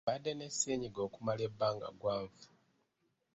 Mbadde ne ssenyiga okumala ebbanga ggwanvu.